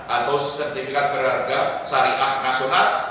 atau sertifikat berharga syariah nasional